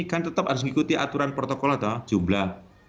kan tetap harus mengikuti aturan protokol atau jumlah